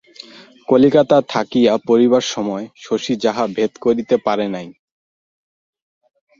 কলিকাতায় থাকিয়া পড়িবার সময়ও শশী যাহা ভেদ করিতে পারে নই।